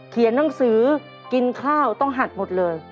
เขียนหนังสือกินข้าวต้องหัดหมดเลย